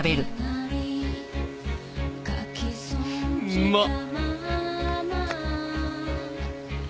うまっ！